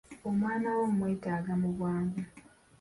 Omwana wo mmwetaaga mu bwangu.